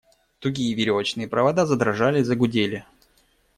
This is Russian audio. Тугие веревочные провода задрожали, загудели.